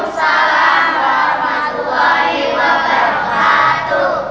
assalamualaikum warahmatullahi wabarakatuh